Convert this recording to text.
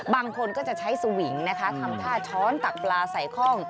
บางคนก็จะใช้สวิงนะคะทำท่าช้อนตักปลาใส่คล่อง